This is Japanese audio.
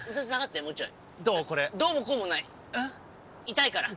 痛いから！